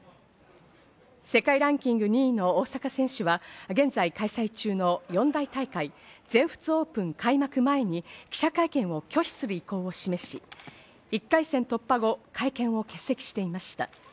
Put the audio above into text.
世界ランキング２位の大坂選手は現在開催中の四大大会、全仏オープン開幕前に記者会見を拒否する意向を示し、１回戦突破後、会見を欠席していました。